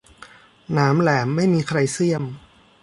หนามแหลมไม่มีใครเสี้ยม